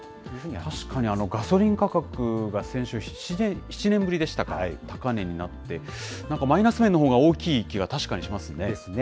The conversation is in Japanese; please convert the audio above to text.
確かにガソリン価格が先週、７年ぶりでしたか、高値になって、なんかマイナス面のほうが大きいですね。